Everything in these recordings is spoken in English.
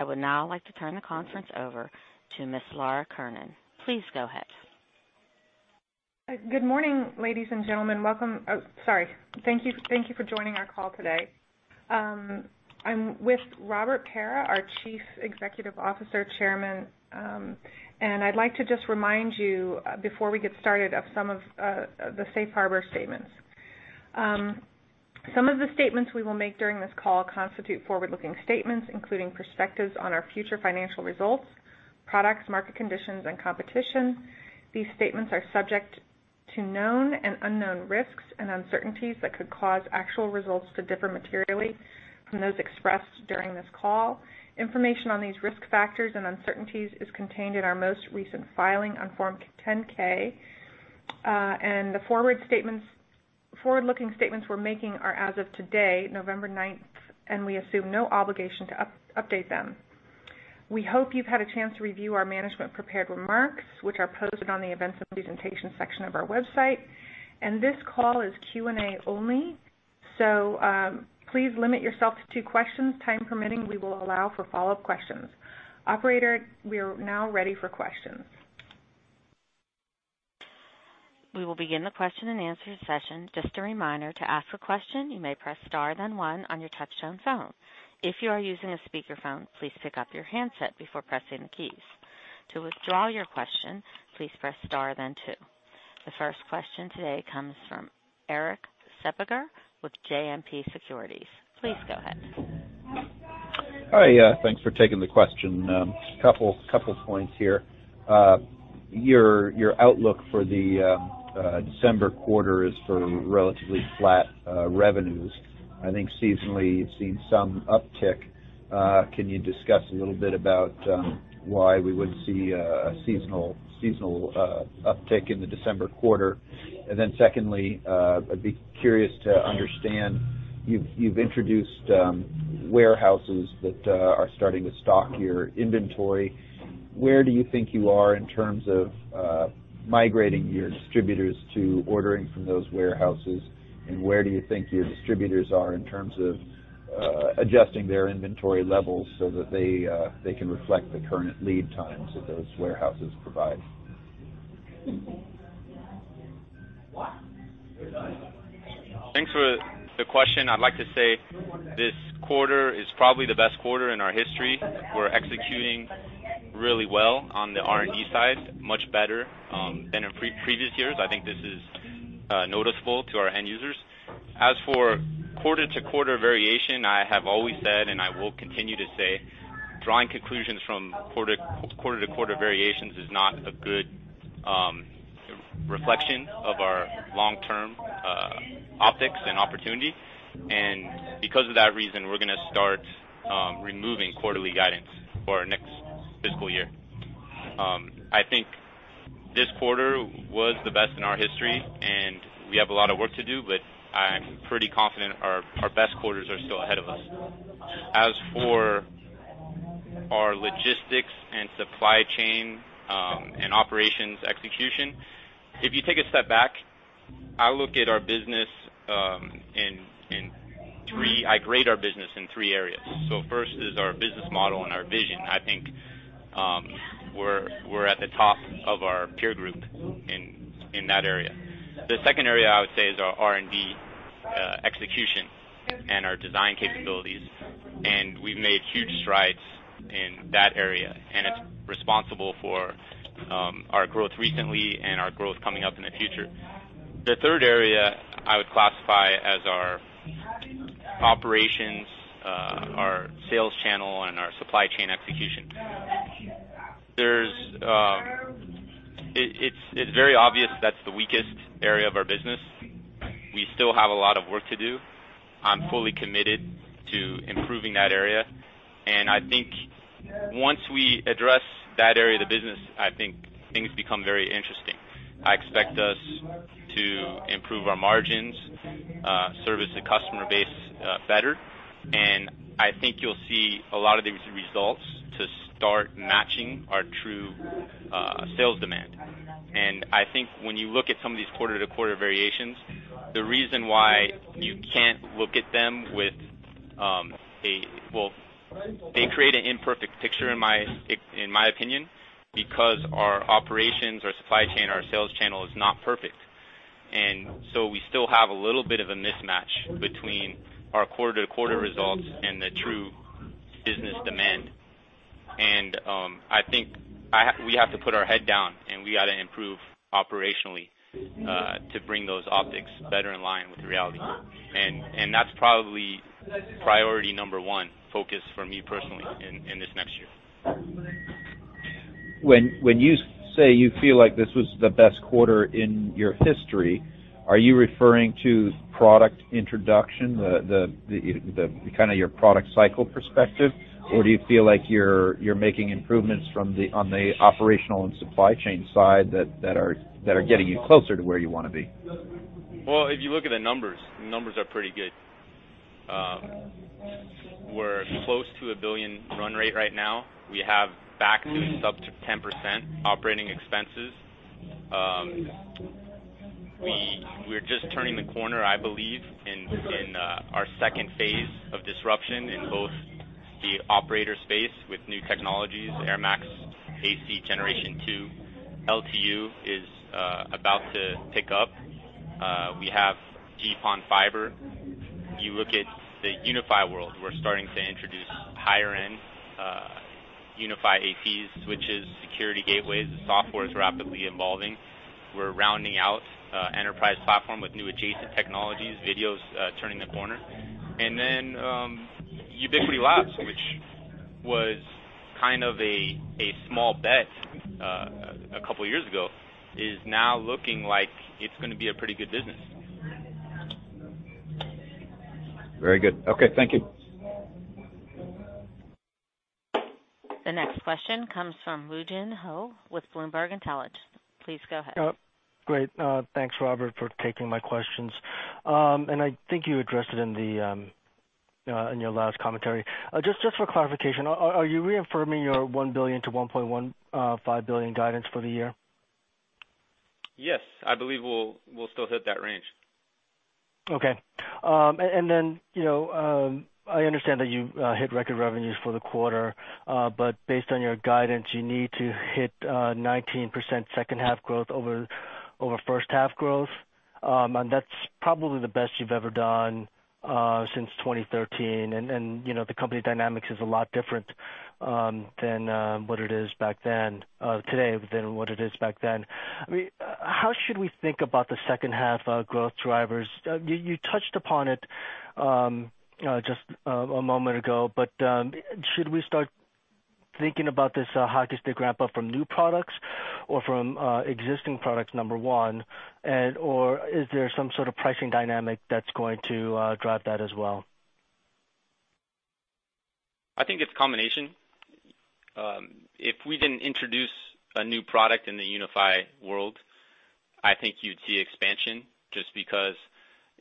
I would now like to turn the conference over to Ms. Laura Kiernan. Please go ahead. Good morning, ladies and gentlemen. Thank you for joining our call today. I'm with Robert Pera, our Chief Executive Officer and Chairman, and I'd like to just remind you, before we get started, of some of the Safe Harbor statements. Some of the statements we will make during this call constitute forward-looking statements, including perspectives on our future financial results, products, market conditions, and competition. These statements are subject to known and unknown risks and uncertainties that could cause actual results to differ materially from those expressed during this call. Information on these risk factors and uncertainties is contained in our most recent filing on Form 10-K, and the forward-looking statements we're making are as of today, November 9th, and we assume no obligation to update them. We hope you've had a chance to review our management-prepared remarks, which are posted on the events and presentations section of our website, and this call is Q&A only, so please limit yourself to two questions. Time permitting, we will allow for follow-up questions. Operator, we are now ready for questions. We will begin the question and answer session. Just a reminder to ask a question, you may press star then one on your touch-tone phone. If you are using a speakerphone, please pick up your handset before pressing the keys. To withdraw your question, please press star then two. The first question today comes from Erik Suppiger with JMP Securities. Please go ahead. Hi. Thanks for taking the question. A couple of points here. Your outlook for the December quarter is for relatively flat revenues. I think seasonally you've seen some uptick. Can you discuss a little bit about why we would see a seasonal uptick in the December quarter? I'd be curious to understand—you've introduced warehouses that are starting to stock your inventory. Where do you think you are in terms of migrating your distributors to ordering from those warehouses, and where do you think your distributors are in terms of adjusting their inventory levels so that they can reflect the current lead times that those warehouses provide? Thanks for the question. I'd like to say this quarter is probably the best quarter in our history. We're executing really well on the R&D side, much better than in previous years. I think this is noticeable to our end users. As for quarter-to-quarter variation, I have always said, and I will continue to say, drawing conclusions from quarter-to-quarter variations is not a good reflection of our long-term optics and opportunity. Because of that reason, we're going to start removing quarterly guidance for our next fiscal year. I think this quarter was the best in our history, and we have a lot of work to do, but I'm pretty confident our best quarters are still ahead of us. As for our logistics and supply chain and operations execution, if you take a step back, I look at our business in three—I grade our business in three areas. First is our business model and our vision. I think we're at the top of our peer group in that area. The second area I would say is our R&D execution and our design capabilities, and we've made huge strides in that area, and it's responsible for our growth recently and our growth coming up in the future. The third area I would classify as our operations, our sales channel, and our supply chain execution. It's very obvious that's the weakest area of our business. We still have a lot of work to do. I'm fully committed to improving that area, and I think once we address that area of the business, I think things become very interesting. I expect us to improve our margins, service the customer base better, and I think you'll see a lot of these results to start matching our true sales demand. I think when you look at some of these quarter-to-quarter variations, the reason why you can't look at them with a—well, they create an imperfect picture, in my opinion, because our operations, our supply chain, our sales channel is not perfect. We still have a little bit of a mismatch between our quarter-to-quarter results and the true business demand. I think we have to put our head down, and we got to improve operationally to bring those optics better in line with reality. That is probably priority number one focus for me personally in this next year. When you say you feel like this was the best quarter in your history, are you referring to product introduction, kind of your product cycle perspective, or do you feel like you're making improvements on the operational and supply chain side that are getting you closer to where you want to be? If you look at the numbers, the numbers are pretty good. We're close to a $1 billion run rate right now. We have back to up to 10% operating expenses. We're just turning the corner, I believe, in our second phase of disruption in both the operator space with new technologies, airMAX AC Generation 2. LTU is about to pick up. We have GPON fiber. You look at the UniFi world, we're starting to introduce higher-end UniFi ACs, switches, security gateways. The software is rapidly evolving. We're rounding out enterprise platform with new adjacent technologies. Video is turning the corner. Ubiquiti Labs, which was kind of a small bet a couple of years ago, is now looking like it's going to be a pretty good business. Very good. Okay. Thank you. The next question comes from Woo Jin Ho with Bloomberg Intelligence. Please go ahead. Great. Thanks, Robert, for taking my questions. I think you addressed it in your last commentary. Just for clarification, are you reaffirming your $1 billion-$1.15 billion guidance for the year? Yes. I believe we'll still hit that range. Okay. I understand that you hit record revenues for the quarter, but based on your guidance, you need to hit 19% second-half growth over first-half growth, and that's probably the best you've ever done since 2013. The company dynamics is a lot different than what it is back then today than what it is back then. I mean, how should we think about the second-half growth drivers? You touched upon it just a moment ago, but should we start thinking about this hockey stick ramp-up from new products or from existing products, number one? Or is there some sort of pricing dynamic that's going to drive that as well? I think it's a combination. If we didn't introduce a new product in the UniFi world, I think you'd see expansion just because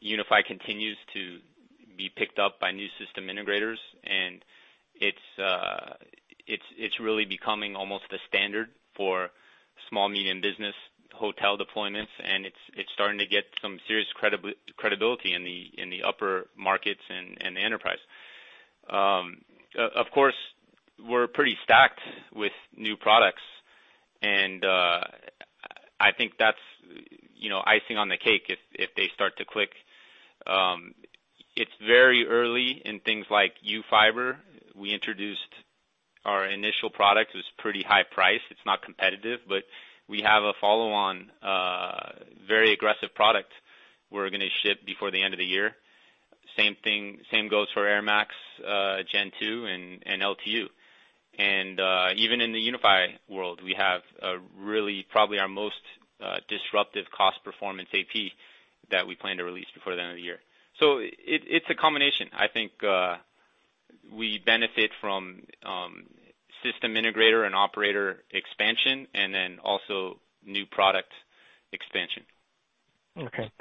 UniFi continues to be picked up by new system integrators, and it's really becoming almost the standard for small, medium business hotel deployments, and it's starting to get some serious credibility in the upper markets and the enterprise. Of course, we're pretty stacked with new products, and I think that's icing on the cake if they start to click. It's very early in things like UFiber. We introduced our initial product. It was pretty high price. It's not competitive, but we have a follow-on, very aggressive product we're going to ship before the end of the year. Same goes for airMAX AC Generation 2 and LTU. Even in the UniFi world, we have really probably our most disruptive cost performance AP that we plan to release before the end of the year. It is a combination. I think we benefit from system integrator and operator expansion and then also new product expansion. Okay.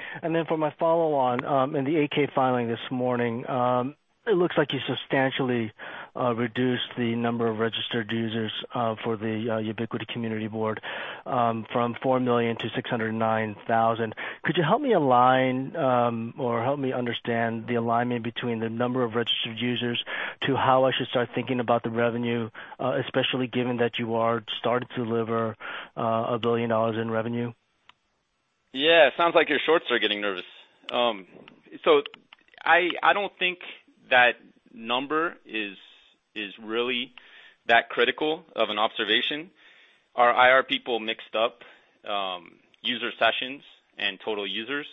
For my follow-on, in the 8-K filing this morning, it looks like you substantially reduced the number of registered users for the Ubiquiti Community board from 4 million to 609,000. Could you help me align or help me understand the alignment between the number of registered users to how I should start thinking about the revenue, especially given that you are starting to deliver a $1 billion in revenue? Yeah. It sounds like your shorts are getting nervous. I don't think that number is really that critical of an observation. Our IR people mixed up user sessions and total users,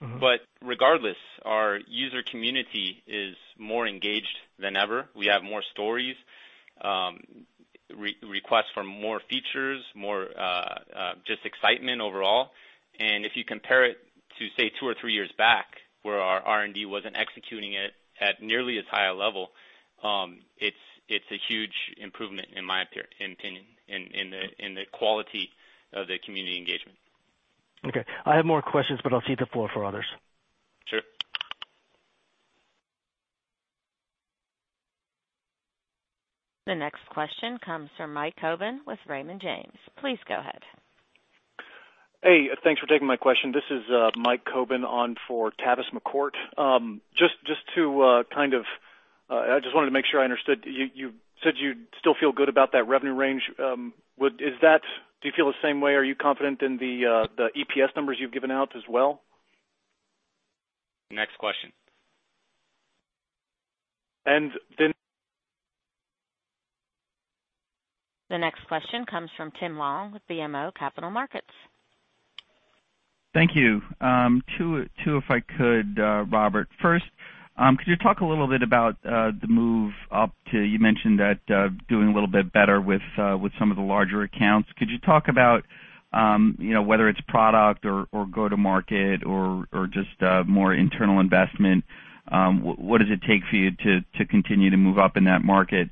but regardless, our user community is more engaged than ever. We have more stories, requests for more features, more just excitement overall. If you compare it to, say, two or three years back, where our R&D wasn't executing it at nearly as high a level, it's a huge improvement, in my opinion, in the quality of the community engagement. Okay. I have more questions, but I'll cede the floor for others. Sure. The next question comes from Mike Cohen with Raymond James. Please go ahead. Hey. Thanks for taking my question. This is Mike Cohen on for Tavis McCourt. Just to kind of—I just wanted to make sure I understood. You said you still feel good about that revenue range. Do you feel the same way? Are you confident in the EPS numbers you've given out as well? Next question. And then. The next question comes from Tim Long with BMO Capital Markets. Thank you. Two, if I could, Robert. First, could you talk a little bit about the move up to—you mentioned that doing a little bit better with some of the larger accounts. Could you talk about whether it's product or go-to-market or just more internal investment? What does it take for you to continue to move up in that market?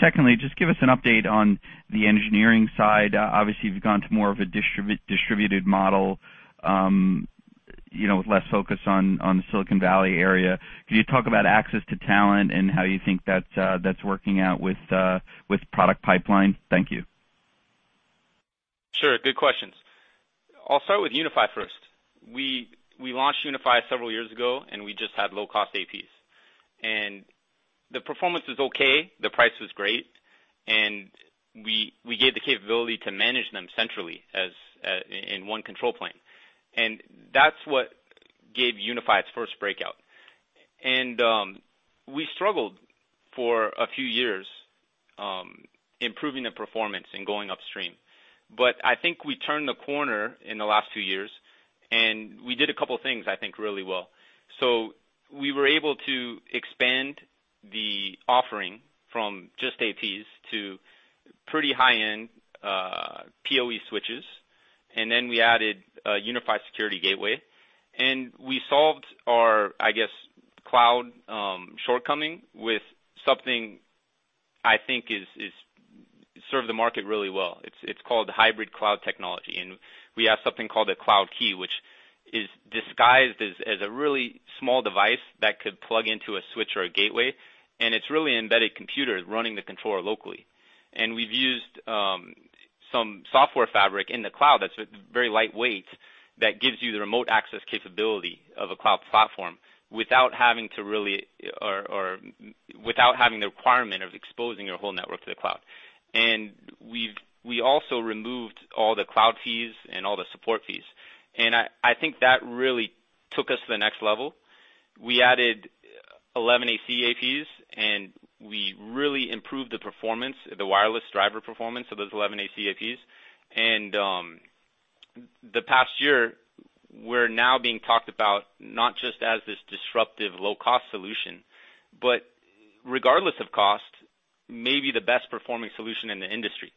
Secondly, just give us an update on the engineering side. Obviously, you've gone to more of a distributed model with less focus on the Silicon Valley area. Could you talk about access to talent and how you think that's working out with product pipeline? Thank you. Sure. Good questions. I'll start with UniFi first. We launched UniFi several years ago, and we just had low-cost APs. The performance was okay. The price was great. We gave the capability to manage them centrally in one control plane. That is what gave UniFi its first breakout. We struggled for a few years improving the performance and going upstream. I think we turned the corner in the last few years, and we did a couple of things, I think, really well. We were able to expand the offering from just APs to pretty high-end PoE switches, and then we added a UniFi Security Gateway. We solved our, I guess, cloud shortcoming with something I think served the market really well. It's called hybrid cloud technology. We have something called a Cloud Key, which is disguised as a really small device that could plug into a switch or a gateway. It is really an embedded computer running the controller locally. We have used some software fabric in the cloud that is very lightweight that gives you the remote access capability of a cloud platform without having to really, or without having the requirement of exposing your whole network to the cloud. We also removed all the cloud fees and all the support fees. I think that really took us to the next level. We added 11ac APs, and we really improved the performance, the wireless driver performance of those 11ac APs. In the past year, we are now being talked about not just as this disruptive low-cost solution, but regardless of cost, maybe the best-performing solution in the industry.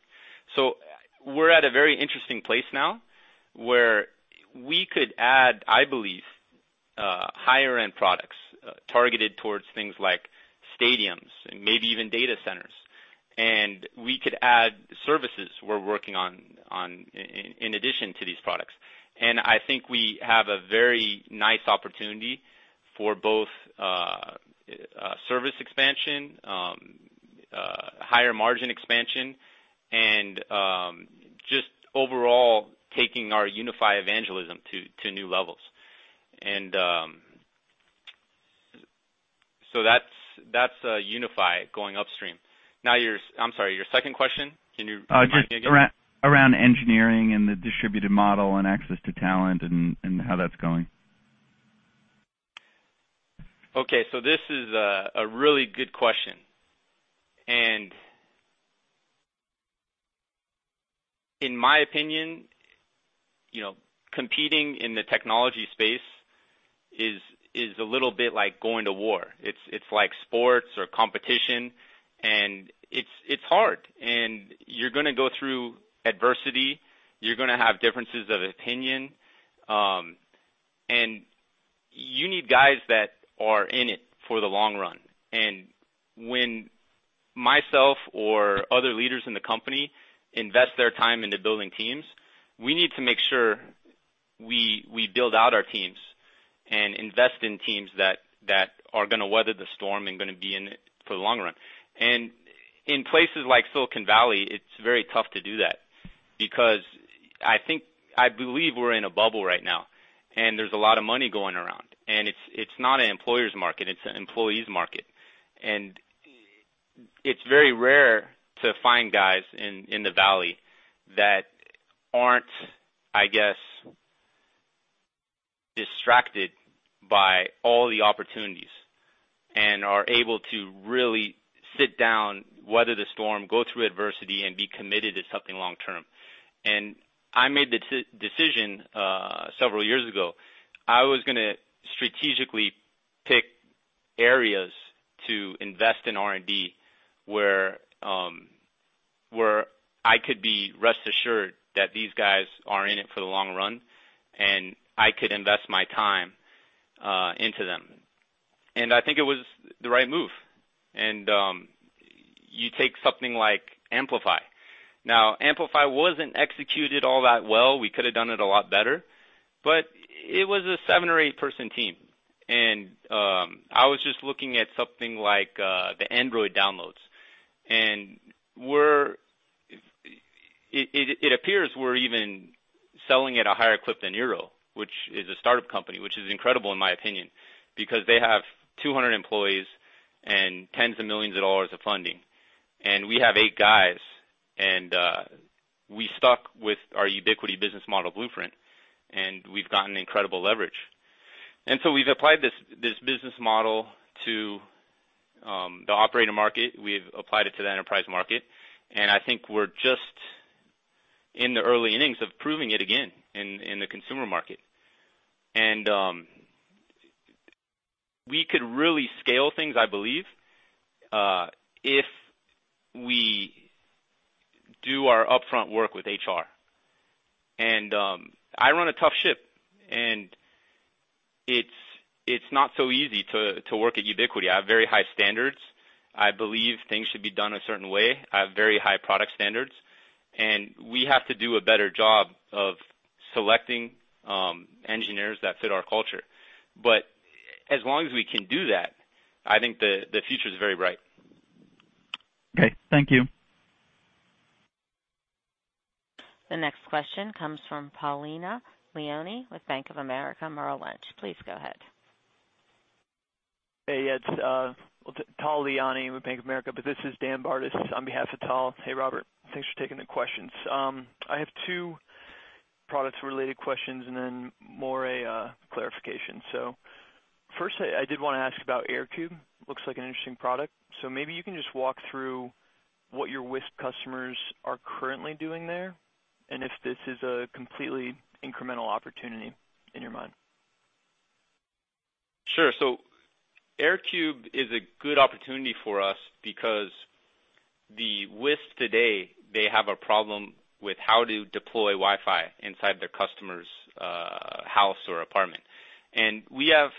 We're at a very interesting place now where we could add, I believe, higher-end products targeted towards things like stadiums and maybe even data centers. We could add services we're working on in addition to these products. I think we have a very nice opportunity for both service expansion, higher margin expansion, and just overall taking our UniFi evangelism to new levels. That's UniFi going upstream. I'm sorry, your second question, can you repeat that again? Around engineering and the distributed model and access to talent and how that's going. Okay. This is a really good question. In my opinion, competing in the technology space is a little bit like going to war. It's like sports or competition, and it's hard. You're going to go through adversity. You're going to have differences of opinion. You need guys that are in it for the long run. When myself or other leaders in the company invest their time into building teams, we need to make sure we build out our teams and invest in teams that are going to weather the storm and going to be in it for the long run. In places like Silicon Valley, it's very tough to do that because I believe we're in a bubble right now, and there's a lot of money going around. It's not an employer's market. It's an employee's market. It is very rare to find guys in the valley that are not, I guess, distracted by all the opportunities and are able to really sit down, weather the storm, go through adversity, and be committed to something long-term. I made the decision several years ago. I was going to strategically pick areas to invest in R&D where I could be rest assured that these guys are in it for the long run, and I could invest my time into them. I think it was the right move. You take something like AmpliFi. Now, AmpliFi was not executed all that well. We could have done it a lot better, but it was a seven or eight-person team. I was just looking at something like the Android downloads. It appears we're even selling at a higher clip than eero, which is a startup company, which is incredible in my opinion because they have 200 employees and tens of millions of dollars of funding. We have eight guys, and we stuck with our Ubiquiti business model blueprint, and we've gotten incredible leverage. We have applied this business model to the operator market. We have applied it to the enterprise market. I think we're just in the early innings of proving it again in the consumer market. We could really scale things, I believe, if we do our upfront work with HR. I run a tough ship, and it's not so easy to work at Ubiquiti. I have very high standards. I believe things should be done a certain way. I have very high product standards. We have to do a better job of selecting engineers that fit our culture. As long as we can do that, I think the future is very bright. Okay. Thank you. The next question comes from Tal Liani with Bank of America Merrill Lynch. Please go ahead. Hey. It's Tal Liani with Bank of America, but this is Dan Bartus on behalf of Tal. Hey, Robert. Thanks for taking the questions. I have two product-related questions and then more a clarification. First, I did want to ask about airCube. Looks like an interesting product. Maybe you can just walk through what your WISP customers are currently doing there and if this is a completely incremental opportunity in your mind. Sure, airCube is a good opportunity for us because the WISP today, they have a problem with how to deploy Wi-Fi inside their customer's house or apartment. We have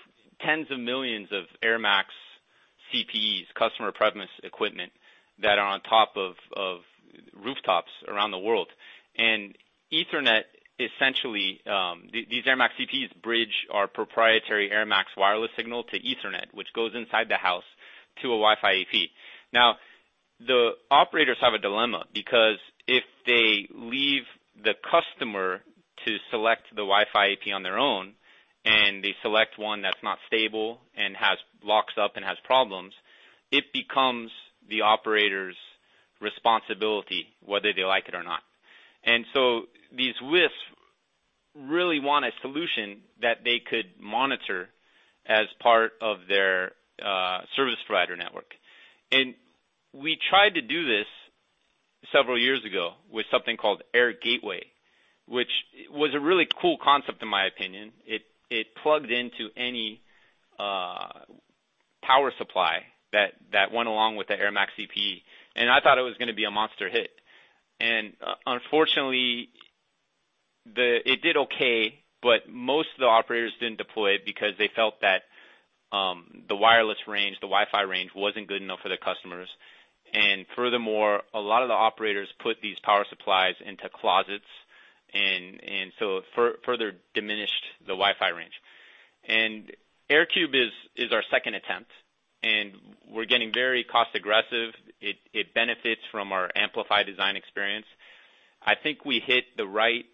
tens of millions of airMAX CPEs, customer-premises equipment, that are on top of rooftops around the world. Ethernet, essentially, these airMAX CPEs bridge our proprietary airMAX wireless signal to Ethernet, which goes inside the house to a Wi-Fi AP. The operators have a dilemma because if they leave the customer to select the Wi-Fi AP on their own and they select one that's not stable and locks up and has problems, it becomes the operator's responsibility, whether they like it or not. These WISPs really want a solution that they could monitor as part of their service provider network. We tried to do this several years ago with something called airGateway, which was a really cool concept, in my opinion. It plugged into any power supply that went along with the airMax CPE. I thought it was going to be a monster hit. Unfortunately, it did okay, but most of the operators did not deploy it because they felt that the wireless range, the Wi-Fi range, was not good enough for their customers. Furthermore, a lot of the operators put these power supplies into closets, so it further diminished the Wi-Fi range, airCube is our second attempt, and we are getting very cost-aggressive. It benefits from our AmpliFi design experience. I think we hit the right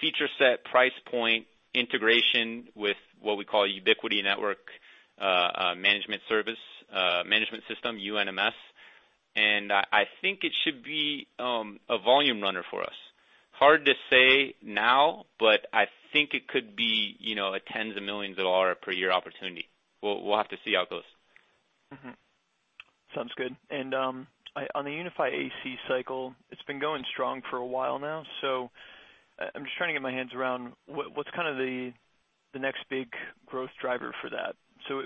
feature set, price point, integration with what we call Ubiquiti Network Management System, UNMS. I think it should be a volume runner for us. Hard to say now, but I think it could be a tens of millions of dollars per year opportunity. We'll have to see how it goes. Sounds good. On the UniFi AC cycle, it's been going strong for a while now. I'm just trying to get my hands around what's kind of the next big growth driver for that. For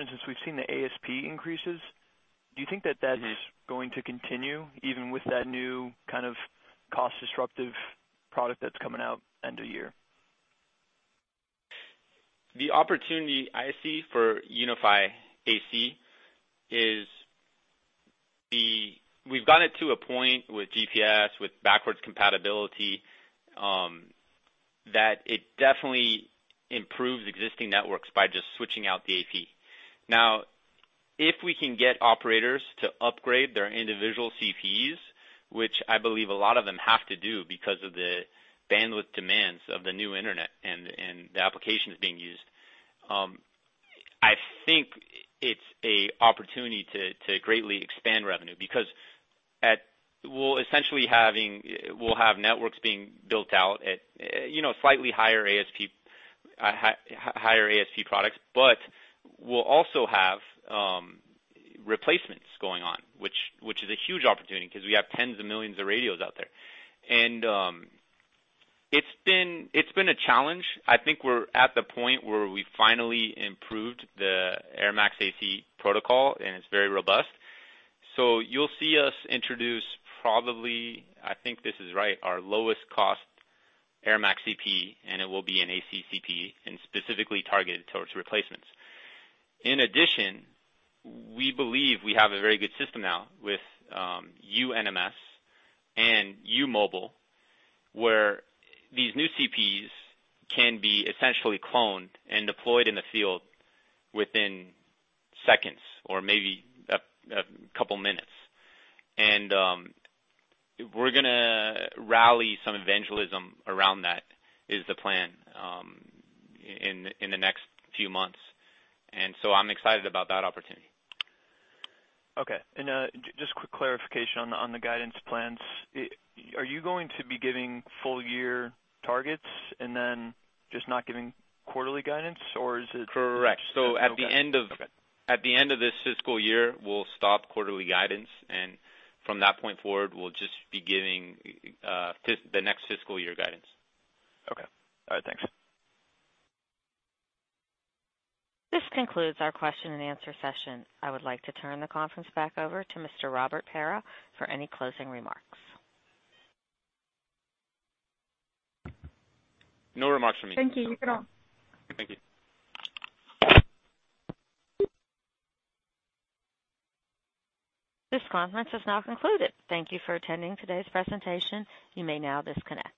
instance, we've seen the ASP increases. Do you think that that is going to continue even with that new kind of cost-disruptive product that's coming out end of year? The opportunity I see for UniFi AC is we've gotten it to a point with Gbps, with backwards compatibility, that it definitely improves existing networks by just switching out the AP. Now, if we can get operators to upgrade their individual CPEs, which I believe a lot of them have to do because of the bandwidth demands of the new internet and the applications being used, I think it's an opportunity to greatly expand revenue because we'll essentially have networks being built out at slightly higher ASP products, but we'll also have replacements going on, which is a huge opportunity because we have tens of millions of radios out there. It's been a challenge. I think we're at the point where we finally improved the airMAX AC protocol, and it's very robust. You'll see us introduce probably, I think this is right, our lowest-cost airMAX CPE, and it will be an AC CPE and specifically targeted towards replacements. In addition, we believe we have a very good system now with UNMS and UMobile, where these new CPEs can be essentially cloned and deployed in the field within seconds or maybe a couple of minutes. We're going to rally some evangelism around that is the plan in the next few months. I'm excited about that opportunity. Okay. Just a quick clarification on the guidance plans. Are you going to be giving full-year targets and then just not giving quarterly guidance, or is it? Correct. At the end of this fiscal year, we'll stop quarterly guidance. From that point forward, we'll just be giving the next fiscal year guidance. Okay. All right. Thanks. This concludes our question-and-answer session. I would like to turn the conference back over to Mr. Robert Pera for any closing remarks. No remarks from me. Thank you. You can all. Thank you. This conference has now concluded. Thank you for attending today's presentation. You may now disconnect.